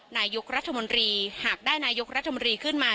นายกรัฐมนตรีหากได้นายกรัฐมนตรีขึ้นมา